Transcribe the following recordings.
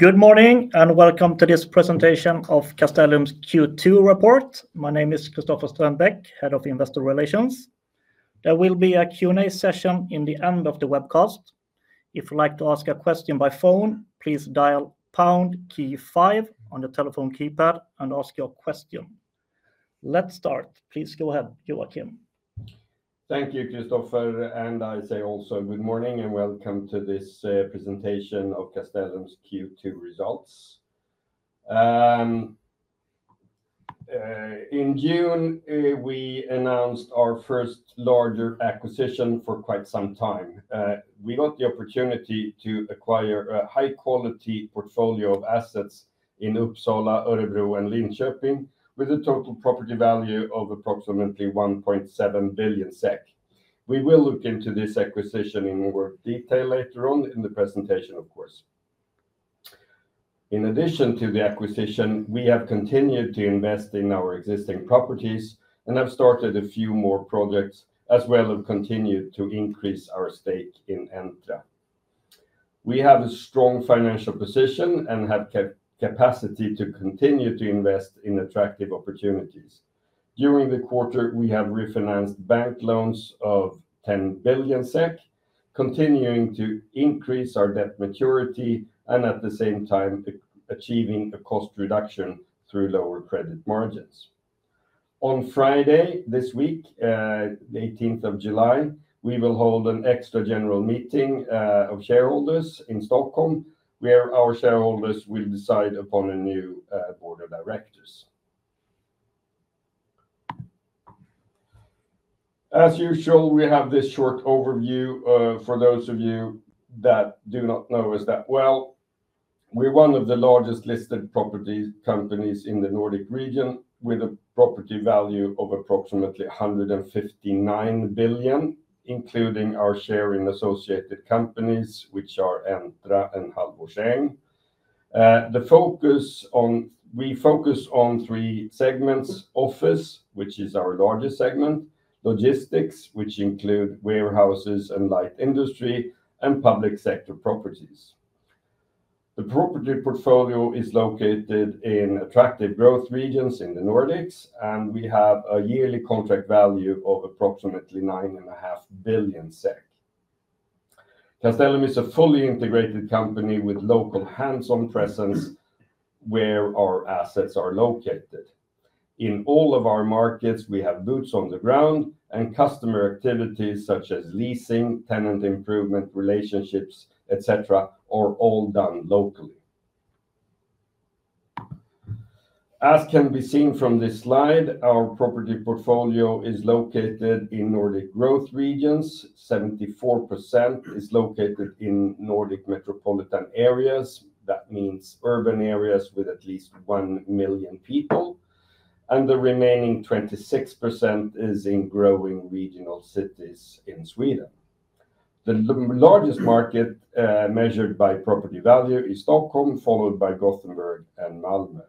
Good morning, and welcome to this presentation of Castellum's Q2 Report. My name is Christoph Streinbeck, Head of Investor Relations. There will be a Q and A session in the end of the webcast. Let's start. Please go ahead, Joachim. Thank you, Christoph. And I say also good morning, and welcome to this presentation of Castellum's Q2 results. In June, we announced our first larger acquisition for quite some time. We got the opportunity to acquire a high quality portfolio of assets in Uppsala, Orebro and Linkoping with a total property value of approximately 1,700,000,000.0. We will look into this acquisition in more detail later on in the presentation, of course. In addition to the acquisition, we have continued to invest in our existing properties and have started a few more projects as well as continued to increase our stake in Entre. We have a strong financial position and have capacity to continue to invest in attractive opportunities. During the quarter, we have refinanced bank loans of 10,000,000,000, continuing to increase our debt maturity and at the same time achieving a cost reduction through lower credit margins. On Friday, this week, the July 18, we will hold an extra general meeting of shareholders in Stockholm where our shareholders will decide upon a new board of directors. As usual, we have this short overview for those of you that do not know us that well. We're one of the largest listed property companies in The Nordic Region with a property value of approximately 159,000,000,000, including our share in associated companies, which are Entra and Harborsen. The focus on we focus on three segments, office, which is our largest segment, logistics, which include warehouses and light industry, and public sector properties. The property portfolio is located in attractive growth regions in The Nordics, and we have a yearly contract value of approximately 9 and a half billion SEK. Castellum is a fully integrated company with local hands on presence where our assets are located. In all of our markets, we have boots on the ground, and customer activities such as leasing, tenant improvement, relationships, etcetera, are all done locally. As can be seen from this slide, our property portfolio is located in Nordic growth regions. 74% is located in Nordic metropolitan areas. That means urban areas with at least 1,000,000 people, and the remaining 26% is in growing regional cities in Sweden. The largest market measured by property value is Stockholm, followed by Gothenburg and Malmo.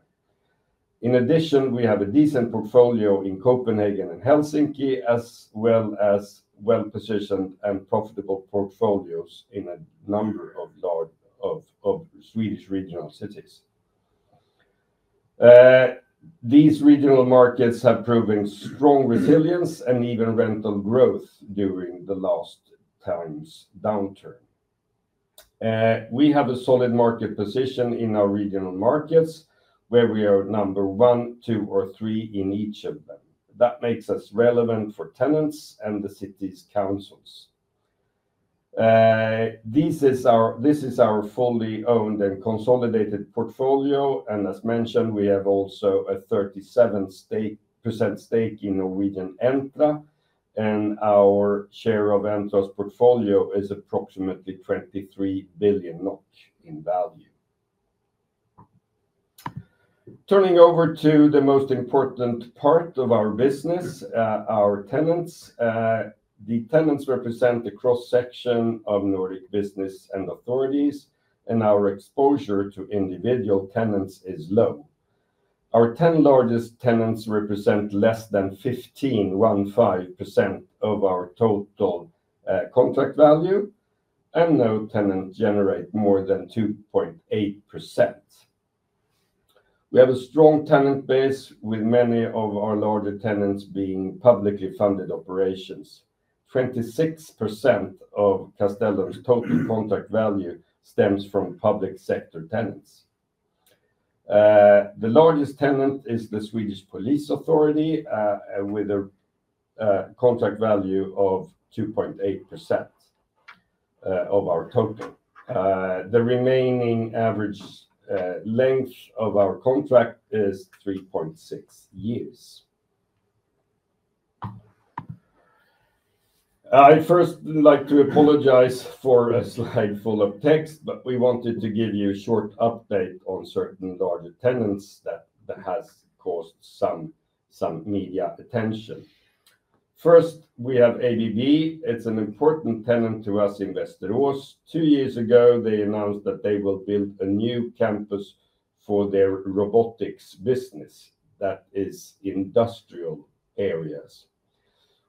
In addition, we have a decent portfolio in Copenhagen and Helsinki as well as well positioned and profitable portfolios in a number of large of of Swedish regional cities. These regional markets have proven strong resilience and even rental growth during the last times downturn. We have a solid market position in our regional markets where we are number one, two, or three in each of them. That makes us relevant for tenants and the city's councils. This is our this is our fully owned and consolidated portfolio. And as mentioned, we have also a 37 stake percent stake in Norwegian Entra, and our share of Entra's portfolio is approximately 23,000,000,000 in value. Turning over to the most important part of our business, our tenants. The tenants represent the cross section of Nordic business and authorities, and our exposure to individual tenants is low. Our 10 largest tenants represent less than 15% of our total contract value, and no tenant generate more than 2.8. We have a strong tenant base with many of our larger tenants being publicly funded operations. 26% of Castello's total contract value stems from public sector tenants. The largest tenant is the Swedish police authority with a contract value of 2.8% of our total. The remaining average length of our contract is three point six years. I first like to apologize for a slide full of text, but we wanted to give you a short update on certain larger tenants that that has caused some some media attention. First, we have ABB. It's an important tenant to us, Investo Horse. Two years ago. They announced that they will build a new campus for their robotics business that is industrial areas.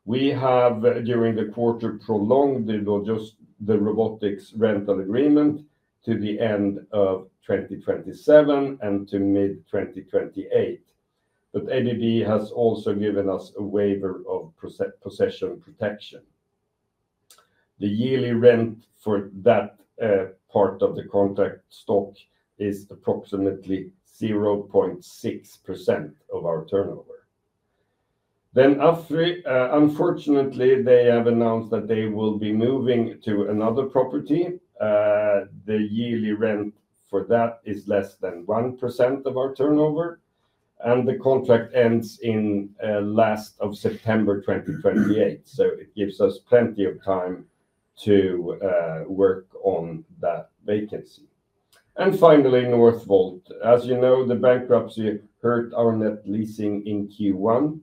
We have, during the quarter, prolonged the not just the robotics rental agreement to the end of twenty twenty seven and to mid twenty twenty eight. But ABB has also given us a waiver of possession protection. The yearly rent for that part of the contract stock is approximately 0.6% of our turnover. Then unfortunately, they have announced that they will be moving to another property. The yearly rent for that is less than 1% of our turnover, and the contract ends in September 2028. So it gives us plenty of time to work on that vacancy. And finally, Northvolt. As you know, the bankruptcy hurt our net leasing in q one.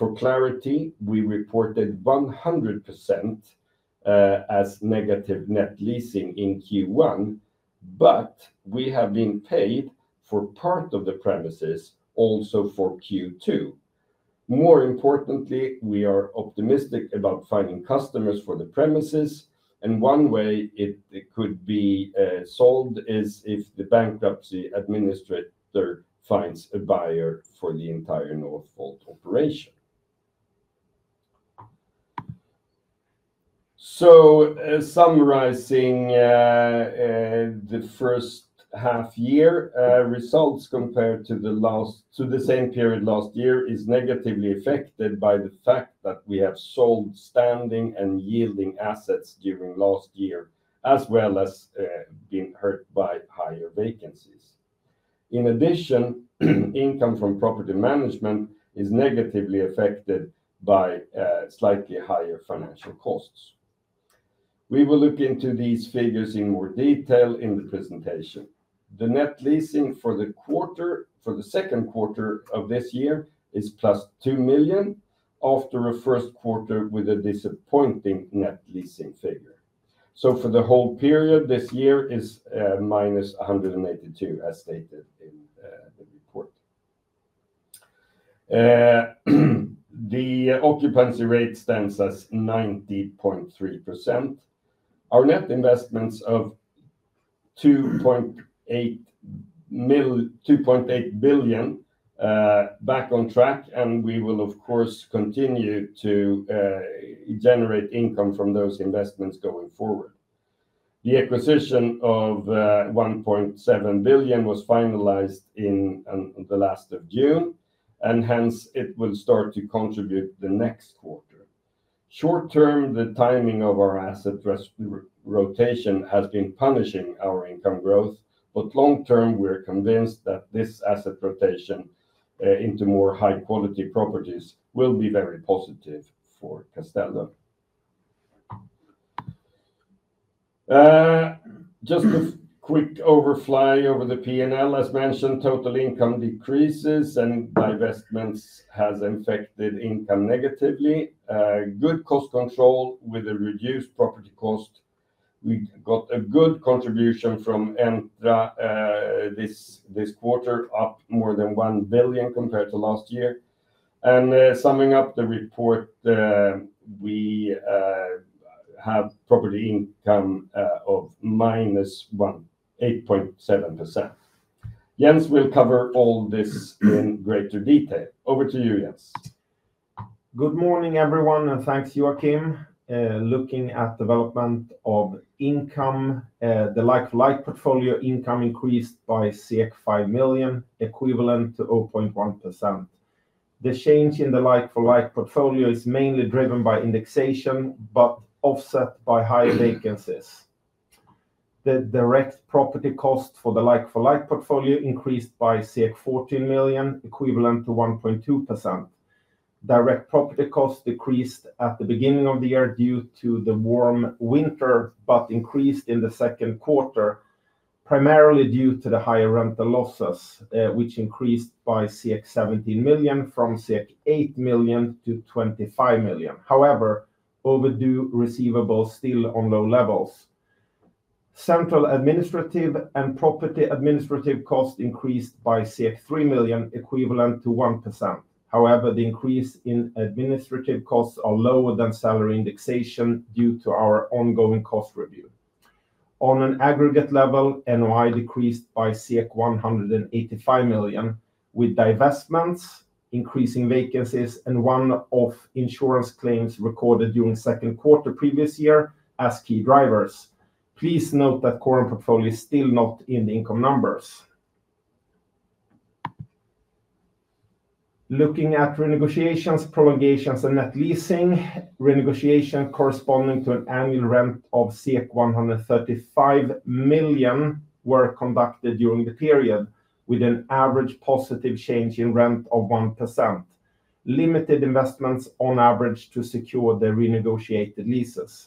For clarity, we reported 100% as negative net leasing in q one, but we have been paid for part of the premises also for q two. More importantly, we are optimistic about finding customers for the premises, and one way it it could be solved is if the bankruptcy administrator finds a buyer for the entire Northvolt operation. So summarizing the first half year, results compared to the last to the same period last year is negatively affected by the fact that we have sold standing and yielding assets during last year as well as being hurt by higher vacancies. In addition, income from property management is negatively affected by slightly higher financial costs. We will look into these figures in more detail in the presentation. The net leasing for the quarter for the second quarter of this year is plus 2,000,000 after a first quarter with a disappointing net leasing figure. So for the whole period, this year is minus 182 as stated in report. The occupancy rate stands as 90.3%. Our net investments of 2,800,000,000.0 back on track, and we will, of course, continue to generate income from those investments going forward. The acquisition of 1,700,000,000.0 was finalized in the June, and hence, it will start to contribute the next quarter. Short term, the timing of our asset rotation has been punishing our income growth. But long term, we are convinced that this asset rotation into more high quality properties will be very positive for Castello. Just a quick overfly over the p and l. As mentioned, total income decreases and divestments has affected income negatively. Good cost control with a reduced property cost. We got a good contribution from Entra this quarter, up more than 1,000,000,000 compared to last year. And summing up the report, we have property income of minus 8.7%. Jens will cover all this in greater detail. Over to you, Jens. Good morning, everyone, and thanks to Joakim. Looking at development of income, the like for like portfolio income increased by 5,000,000, equivalent to o point 1%. The change in the like for like portfolio is mainly driven by indexation but offset by higher vacancies. The direct property cost for the like for like portfolio increased by 14,000,000, equivalent to 1.2%. Direct property costs decreased at the beginning of the year due to the warm winter, but increased in the second quarter, primarily due to the higher rental losses, which increased by 17,000,000 from 8,000,000 to 25,000,000. However, overdue receivables still on low levels. Central administrative and property administrative costs increased by 3,000,000 equivalent to 1%. However, the increase in administrative costs are lower than salary indexation due to our ongoing cost review. On an aggregate level, NOI decreased by 185,000,000 with divestments, increasing vacancies and one off insurance claims recorded during second quarter previous year as key drivers. Please note that current portfolio is still not in the income numbers. Looking at renegotiations, prolongations and net leasing. Renegotiation corresponding to an annual rent of 135,000,000 were conducted during the period with an average positive change in rent of 1%, limited investments on average to secure the renegotiated leases.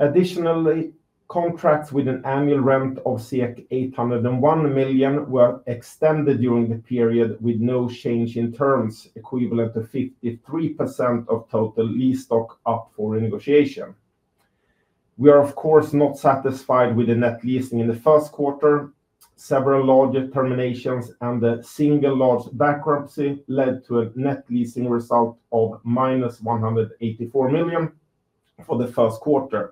Additionally, contracts with an annual rent of SEK $8.00 1,000,000 extended during the period with no change in terms, equivalent to 53% of total lease stock up for renegotiation. We are, of course, not satisfied with the net leasing in the first quarter, Several larger terminations and the single large bankruptcy led to a net leasing result of minus 184,000,000 for the first quarter.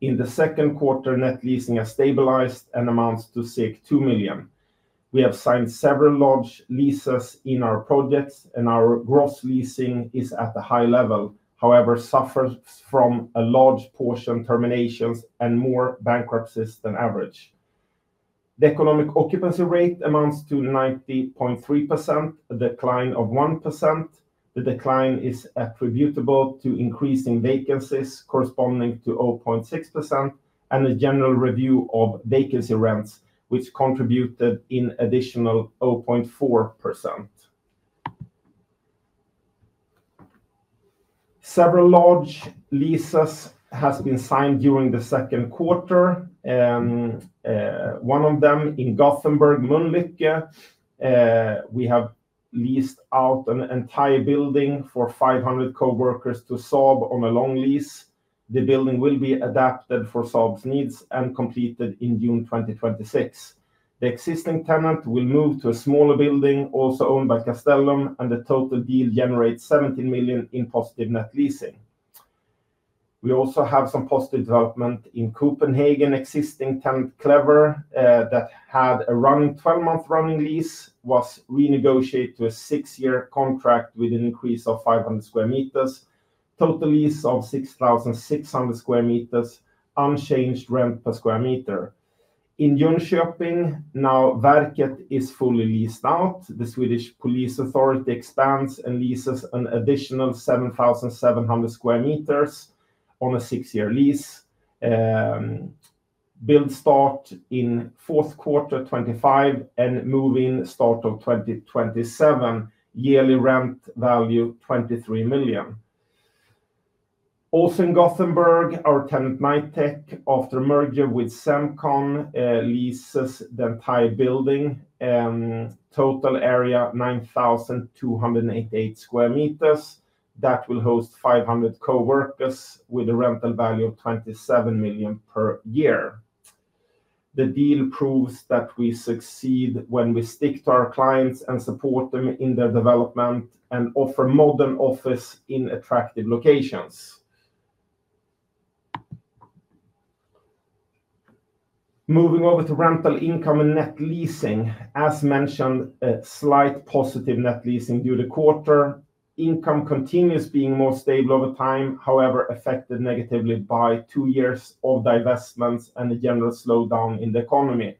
In the second quarter, net leasing has stabilized and amounts to 2,000,000. We have signed several large leases in our projects, and our gross leasing is at a high level, however, suffers from a large portion terminations and more bankruptcies than average. The economic occupancy rate amounts to 90.3%, a decline of 1%. The decline is attributable to increasing vacancies corresponding to 0.6% and a general review of vacancy rents, which contributed in additional 0.4%. Several large leases has been signed during the second quarter. One of them in Gothenburg, Munich, have leased out an entire building for 500 coworkers to solve on a long lease. The building will be adapted for solve needs and completed in June 2026. The existing tenant will move to a smaller building also owned by Castellum, and the total deal generates 17,000,000 in positive net leasing. We also have some positive development in Copenhagen, existing tenant Clever that had a running twelve month running lease was renegotiated to a six year contract with an increase of 500 square meters, total lease of 6,600 square meters, unchanged rent per square meter. In Joonshopping, now Varkat is fully leased out. The Swedish police authority expands and leases an additional 7,700 square meters on a six year lease. Build start in fourth quarter twenty five and move in start of 2027. Yearly rent value, 23,000,000. Also in Gothenburg, our tenant, Nitek, after merger with Semcom, leases the entire building. Total area, 9,288 square meters. That will host 500 coworkers with a rental value of 27,000,000 per year. The deal proves that we succeed when we stick to our clients and support them in their development and offer modern office in attractive locations. Moving over to rental income and net leasing. As mentioned, a slight positive net leasing during the quarter. Income continues being more stable over time, however, affected negatively by two years of divestments and the general slowdown in the economy.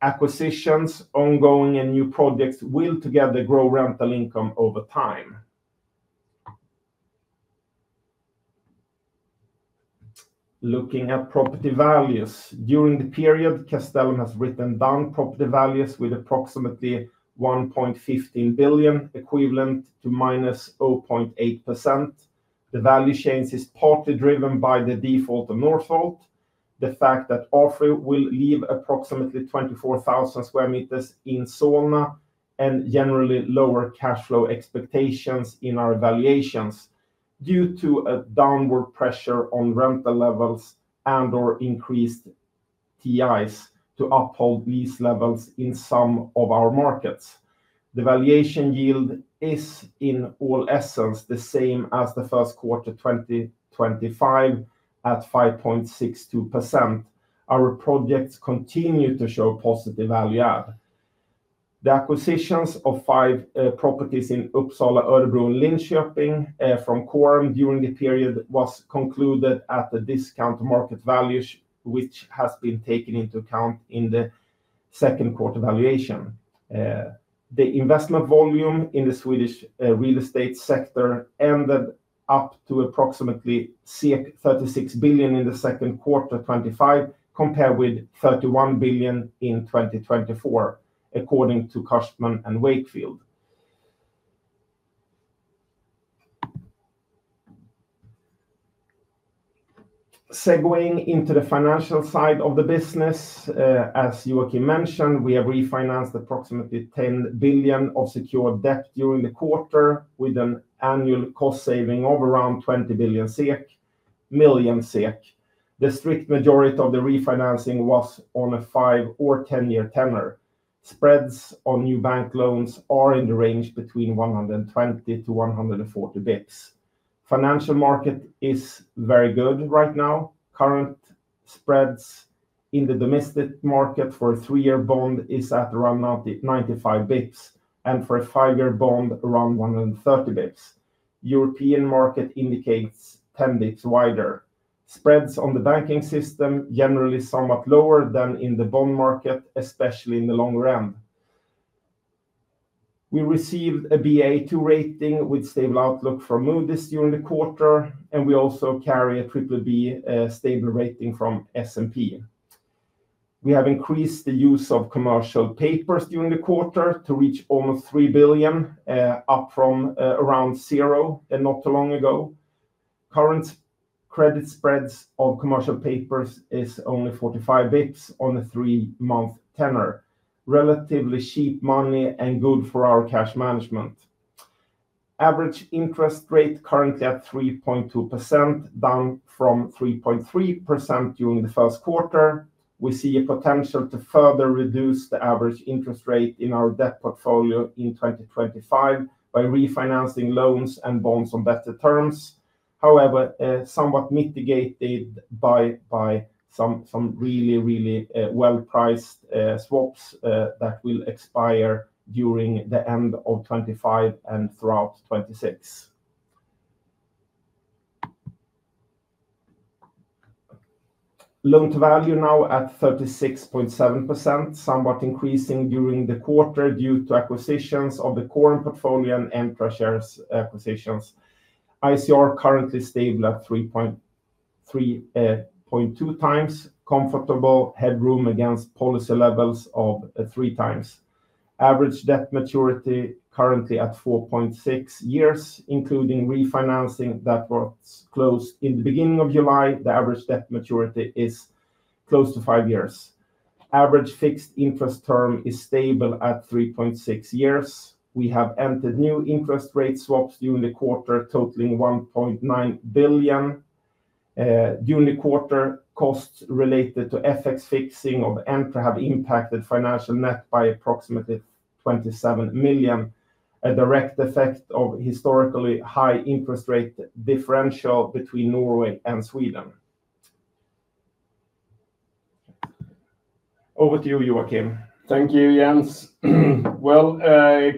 Acquisitions, ongoing and new projects will together grow rental income over time. Looking at property values. During the period, Castellan has written down property values with approximately 1,150,000,000.00 equivalent to minus 0.8%. The value change is partly driven by the default Northvolt, the fact that Ofri will leave approximately 24,000 square meters in Solna and generally lower cash flow expectations in our evaluations due to a downward pressure on rental levels and or increased TIs to uphold these levels in some of our markets. The valuation yield is in all essence the same as the first quarter twenty twenty five at 5.62%. Our projects continue to show positive value add. The acquisitions of five properties in Uppsala, Erdbrun and Linkoping from Khorum during the period was concluded at the discount to market values, which has been taken into account in the second quarter valuation. The investment volume in the Swedish real estate sector ended up to approximately 36,000,000,000 in the second quarter twenty five compared with 31,000,000,000 in 2024 according to Kaustmann and Wakefield. Segueing into the financial side of the business. As Joakim mentioned, we have refinanced approximately 10,000,000,000 of secured debt during the quarter with an annual cost saving of around 20,000,000,000 million SEK. The strict majority of the refinancing was on a five or ten year tenure. Spreads on new bank loans are in the range between 120 to 140 bps. Financial market is very good right now. Current spreads in the domestic market for a three year bond is at around 95 bps and for a five year bond around 130 bps. European market indicates 10 bps wider. Spreads on the banking system generally somewhat lower than in the bond market, especially in the longer end. We received a Ba2 rating with stable outlook for Moody's during the quarter, and we also carry a BBB stable rating from S and P. We have increased the use of commercial papers during the quarter to reach almost 3,000,000,000, up from around zero not too long ago. Current credit spreads of commercial papers is only 45 bps on a three month tenor, relatively cheap money and good for our cash management. Average interest rate currently at 3.2%, down from 3.3% during the first quarter. We see a potential to further reduce the average interest rate in our debt portfolio in 2025 by refinancing loans and bonds on better terms. However, somewhat mitigated by by some really, really well priced swaps that will expire during the end of twenty five and throughout '26. Loan to value now at 36.7%, somewhat increasing during the quarter due to acquisitions of the Quorn portfolio and Enfra shares acquisitions. ICR currently stable at 3.3, point two times, comfortable headroom against policy levels of three times. Average debt maturity currently at four point six years, including refinancing that was closed in the July. The average debt maturity is close to five years. Average fixed interest term is stable at three point six years. We have entered new interest rate swaps during the quarter totaling 1,900,000,000.0 During the quarter, costs related to FX fixing of Entre have impacted financial net by approximately 27,000,000, a direct effect of historically high interest rate differential between Norway and Sweden. Over to you, Joakim. Thank you, Jens. Well,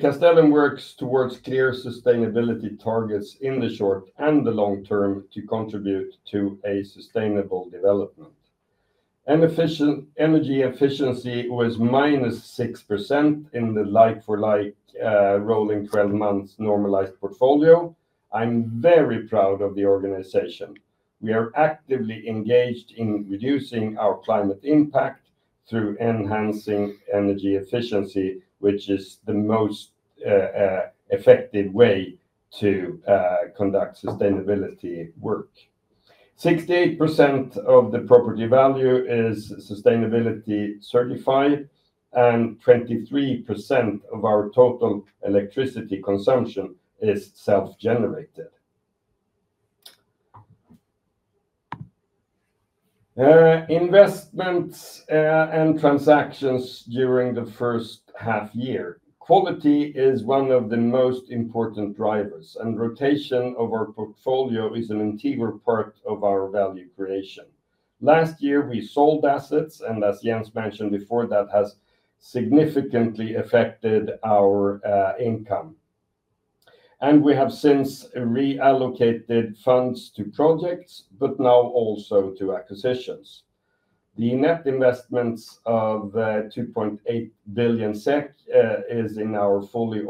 Castellan works towards clear sustainability targets in the short and the long term to contribute to a sustainable development. Energy efficiency was minus 6% in the like for like rolling twelve months normalized portfolio. I'm very proud of the organization. We are actively engaged in reducing our climate impact through enhancing energy efficiency, which is the most effective way to conduct sustainability work. 68% of the property value is sustainability certified, and 23% of our total electricity consumption is self generated. Investments and transactions during the first half year. Quality is one of the most important drivers, and rotation of our portfolio is an integral part of our value creation. Last year, we sold assets, and as Jens mentioned before, that has significantly affected our income. And we have since reallocated funds to projects, but now also to acquisitions. The net investments of 2,800,000,000.0 is in our fully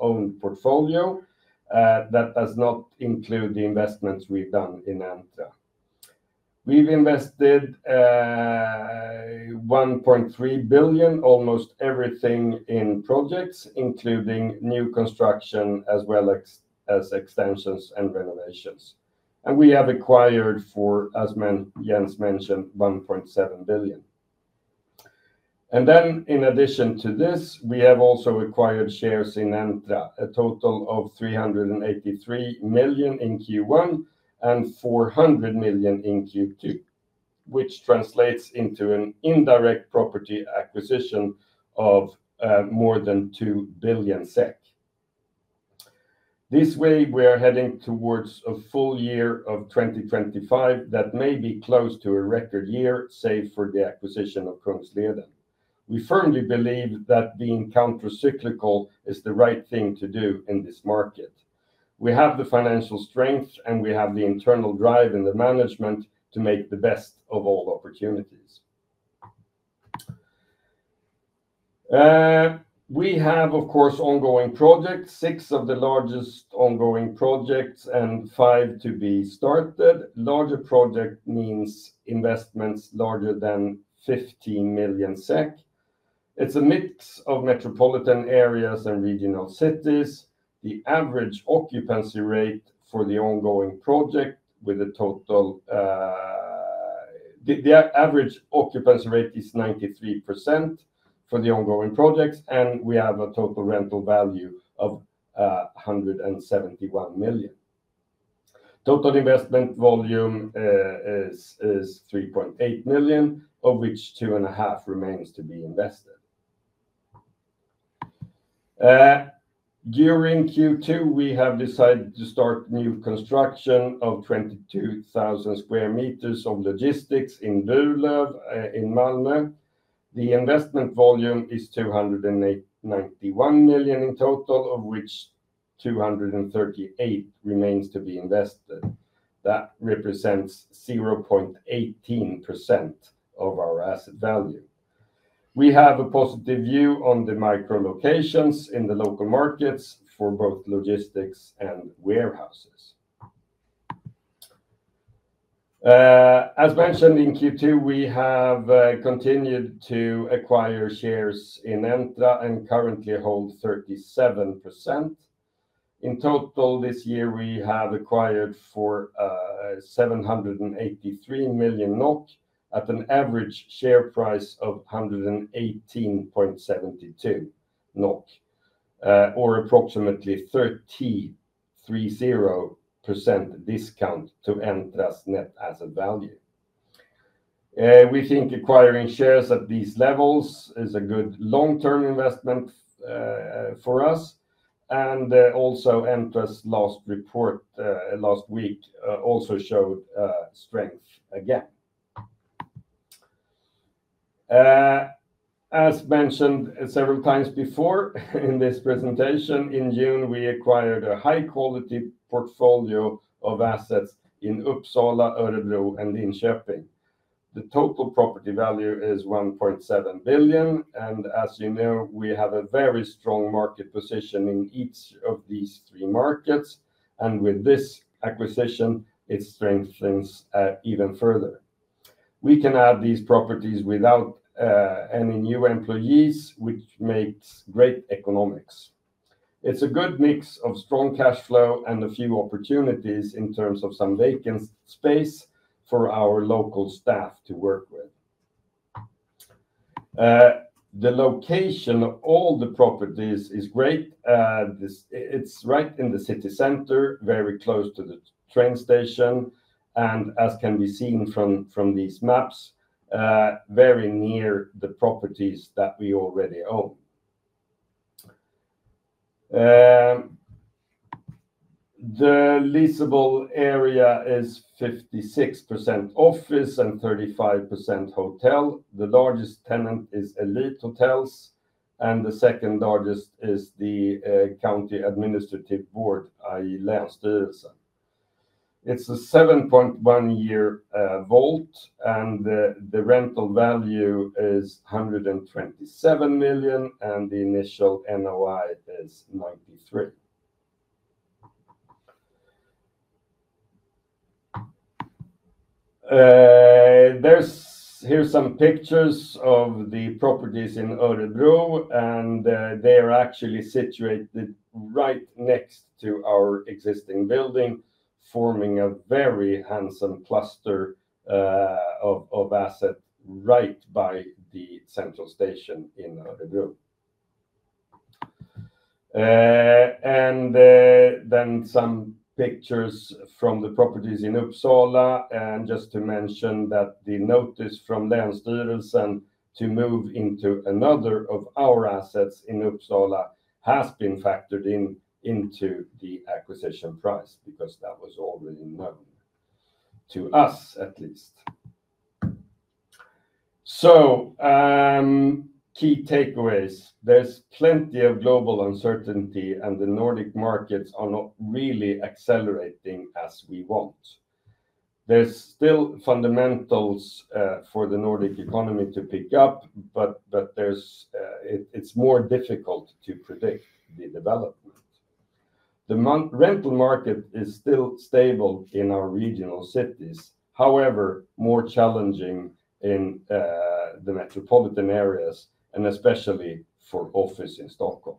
owned portfolio. That does not include the investments we've done in Anta. We've invested 300,000,000.0, almost everything in projects, including new construction as well as extensions and renovations. And we have acquired for, as Jens mentioned, 1,700,000,000.0. And then in addition to this, we have also acquired shares in Entra, a total of 383 million in Q1 and 400 million in Q2, which translates into an indirect property acquisition of more than 2 billion SEK. This way, we are heading towards a full year of 2025 that may be close to a record year, save for the acquisition of Kronos Lioden. We firmly believe that being countercyclical is the right thing to do in this market. We have the financial strength, and we have the internal drive in the management to make the best of all opportunities. We have, of course, ongoing projects, six of the largest ongoing projects and five to be started. Larger project means investments larger than 15,000,000 SEK. It's a mix of metropolitan areas and regional cities. The average occupancy rate for the ongoing project with a total the the average occupancy rate is 93% for the ongoing projects, and we have a total rental value of 171,000,000. Total investment volume is 3,800,000.0, of which 2,500,000.0 remains to be invested. During Q2, we have decided to start new construction of 22,000 square meters of logistics in Vorlev in Malne. The investment volume is $291,000,000 in total, of which $238,000,000 remains to be invested. That represents 0.18% of our asset value. We have a positive view on the microlocations in the local markets for both logistics and warehouses. As mentioned in Q2, we have continued to acquire shares in Entra and currently hold 37%. In total, this year, we have acquired for $783,000,000 at an average share price of 118.72 or approximately 330% discount to Entrest's net asset value. We think acquiring shares at these levels is a good long term investment for us. And also, Entrest's last report last week also showed strength again. As mentioned several times before in this presentation, in June, we acquired a high quality portfolio of assets in Uppsala, Odeblu and in Serpeng. The total property value is 1,700,000,000.0. And as you know, we have a very strong market position in each of these three markets. And with this acquisition, it strengthens even further. We can add these properties without any new employees, which makes great economics. It's a good mix of strong cash flow and a few opportunities in terms of some vacant space for our local staff to work with. The location of all the properties is great. This it's right in the city center, very close to the train station, and as can be seen from from these maps, very near the properties that we already own. The leasable area is 56 office and 35% hotel. The largest tenant is Elite Hotels, and the second largest is the county administrative board, I. It's a seven point one year vault, and the the rental value is 127,000,000, and the initial NOI is 93. There's here's some pictures of the properties in, and they're actually situated right next to our existing building, forming a very handsome cluster of of asset right by the central station in the group. And then some pictures from the properties in Uppsala. And just to mention that the notice from to move into another of our assets in Uppsala has been factored in into the acquisition price because that was already known to us, at least. So key takeaways. There's plenty of global uncertainty, and the Nordic markets are not really accelerating as we want. There's still fundamentals for the Nordic economy to pick up, but but there's it it's more difficult to predict the development. The month rental market is still stable in our regional cities. However, more challenging in, the metropolitan areas and especially for office in Stockholm.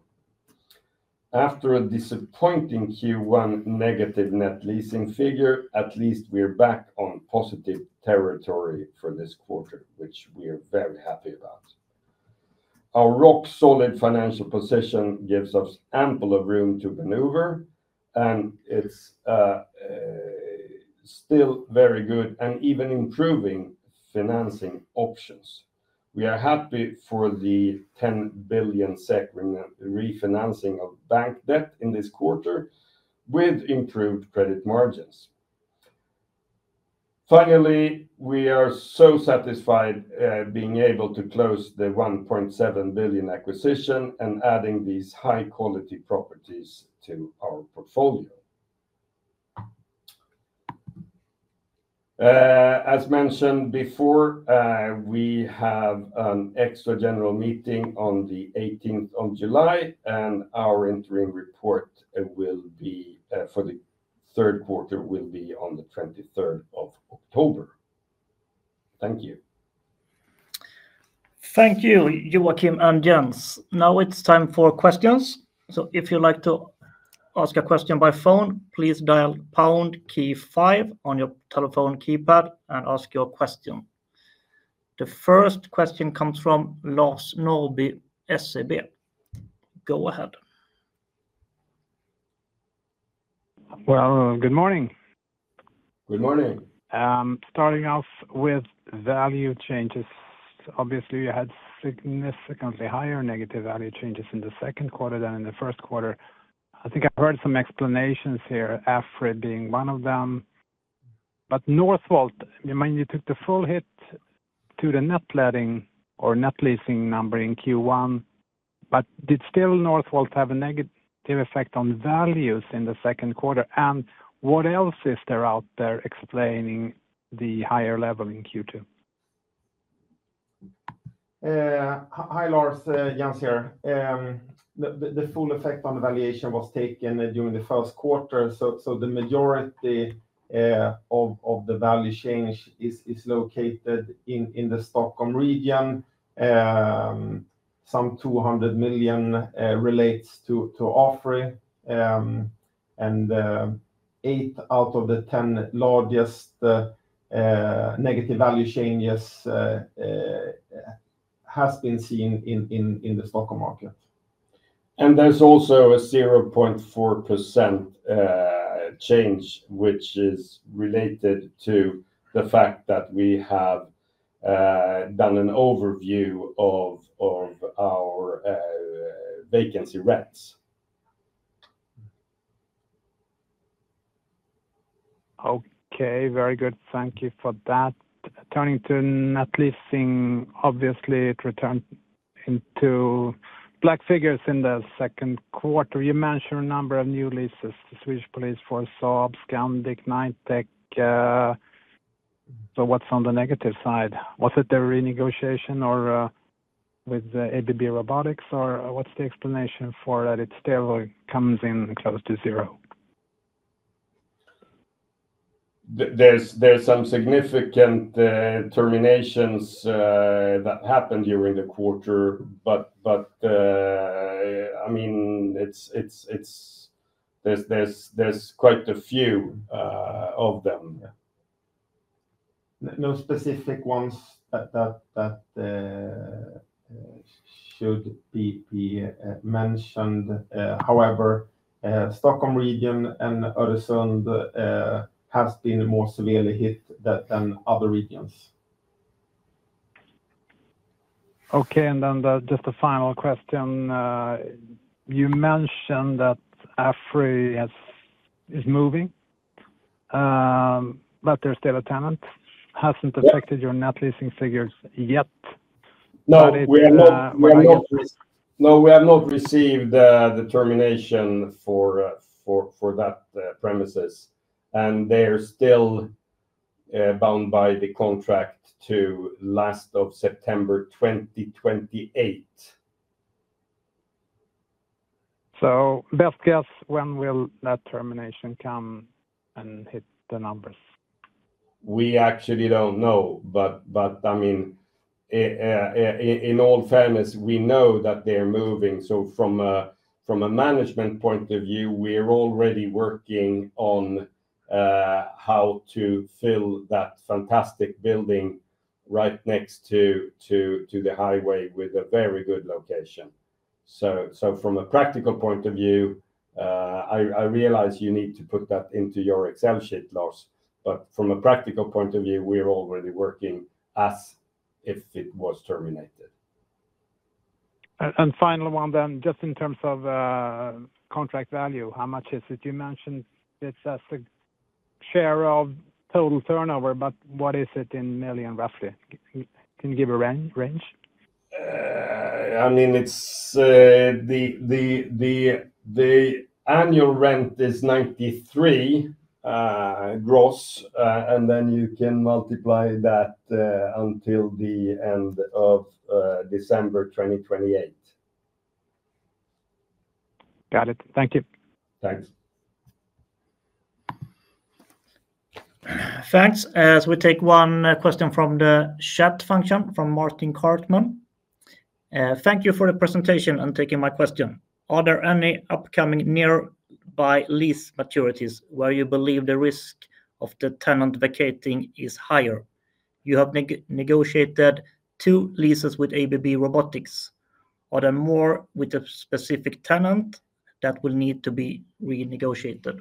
After a disappointing q one negative net leasing figure, at least we are back on positive territory for this quarter, which we are very happy about. Our rock solid financial position gives us ample of room to maneuver, and it's still very good and even improving financing options. We are happy for the 10,000,000,000 SEK refinancing of bank debt in this quarter with improved credit margins. Finally, we are so satisfied being able to close the 1,700,000,000.0 acquisition and adding these high quality properties to our portfolio. As mentioned before, we have an extra general meeting on the July 18, and our interim report will be for the third quarter will be on the October 23. Thank you. Thank you, Joachim and Jens. Now it's time for questions. The first question comes from Lars Nobbe, SEB. Go ahead. Well, good morning. Good morning. Starting off with value changes. Obviously, you had significantly higher negative value changes in the second quarter than in the first quarter. I think I've heard some explanations here, AFRID being one of them. But Northvolt, you mean you took the full hit to the net letting or net leasing number in Q1, but did still Northvolt have a negative effect on values in the second quarter? And what else is there out there explaining the higher level in Q2? Lars, Jans here. Full effect on the valuation was taken during the first quarter. So so the majority of of the value change is is located in in the Stockholm region. Some 200,000,000 relates to to Ofri, and eight out of the 10 largest negative value changes has been seen in in in the stock market. And there's also a 0.4% change, which is related to the fact that we have done an overview of of our vacancy rents. Very good. Thank you for that. Turning to net leasing. Obviously, it returned into black figures in the second quarter. You mentioned a number of new leases, the Swedish police force, sobs, Gundig, Nitek. So what's on the negative side? Was it the renegotiation or with ABB Robotics? Or what's the explanation for that it still comes in close to zero? There's there's some significant terminations that happened during the quarter. But but, I mean, it's it's it's there's there's there's quite a few of them. No specific ones that that that should be be mentioned. However, Stockholm region and Odessund has been more severely hit than other regions. Okay. And then just a final question. You mentioned that Aphria is moving, but there's still a tenant, hasn't affected your net leasing figures yet? No. We have not received the termination for that premises. And they're still bound by the contract to last of September 2028. So best guess, when will that termination come and hit the numbers? We actually don't know. But but, I mean, in all fairness, we know that they're moving. So from a from a management point of view, we are already working on how to fill that fantastic building right next to to to the highway with a very good location. So so from a practical point of view, I I realize you need to put that into your Excel sheet loss. But from a practical point of view, we're already working as if it was terminated. And final one then, just in terms of contract value, how much is it? You mentioned it's a share of total turnover, but what is it in million roughly? Can you give a range? I mean, it's the annual rent is 93 gross, and then you can multiply that until the December 2028. Got it. Thank you. Thanks. Thanks. As we take one question from the chat function from Martin Cartman. Are there any upcoming nearby lease maturities where you believe the risk of the tenant vacating is higher? You have negotiated two leases with ABB Robotics. Are there more with a specific tenant that will need to be renegotiated?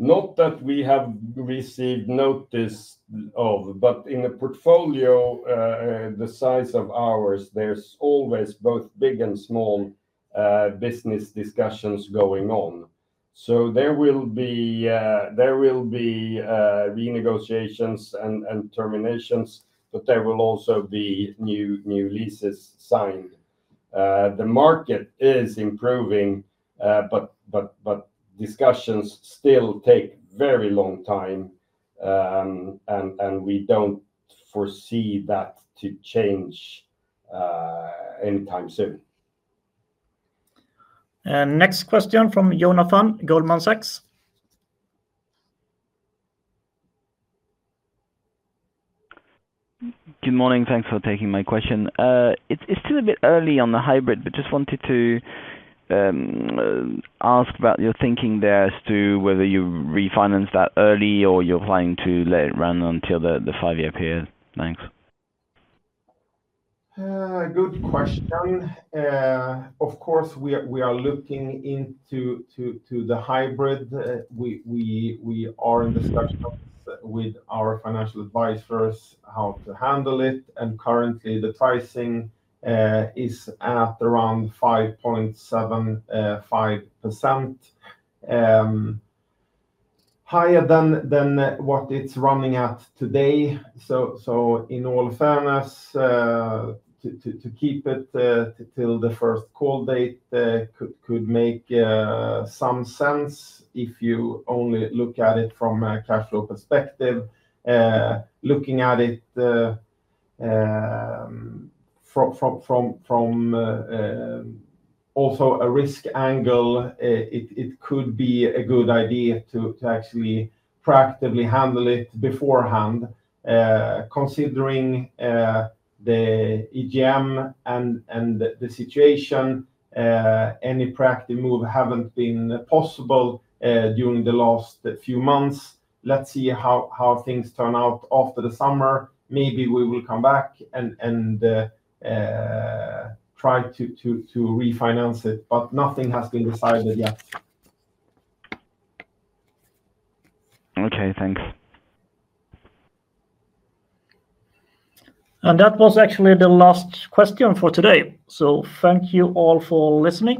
Not that we have received notice of, but in the portfolio, the size of ours, there's always both big and small, business discussions going on. So there will be there will be renegotiations and and terminations, but there will also be new new leases signed. The market is improving, but but but discussions still take very long time, and and we don't foresee that to change anytime soon. Next question from Jonathan, Goldman Sachs. It's still a bit early on the hybrid, but just wanted to ask about your thinking there as to whether you refinance that early or you're planning to let it run until the five year period? Thanks. Good question. Of course, we are we are looking into to to the hybrid. We we we are in the with our financial advisers how to handle it. And currently, the pricing is at around 5.75% higher than than what it's running at today. So so in all fairness, to to to keep it till the first call date could could make some sense if you only look at it from a cash flow perspective. Looking at it from from from from also a risk angle, it it could be a good idea to to actually proactively handle it beforehand considering the EGM and and the the situation. Any proactive move haven't been possible during the last few months. Let's see how how things turn out after the summer. Maybe we will come back and and try to to to refinance it, but nothing has been decided yet. Okay. Thanks. And that was actually the last question for today. So thank you all for listening.